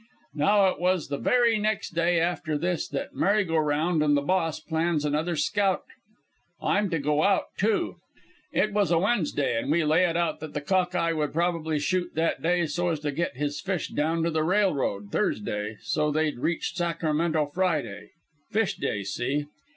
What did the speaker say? Now it was the very next day after this that Mary go round an' the Boss plans another scout. I'm to go, too. It was a Wednesday, an' we lay it out that the Cockeye would prob'ly shoot that day so's to get his fish down to the railroad Thursday, so they'd reach Sacramento Friday fish day, see.